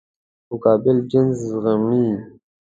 مقابل جنس زغمي.